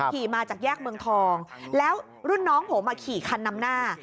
ขี่มาจากแยกเมืองทองแล้วรุ่นน้องผมขี่คันนำหน้า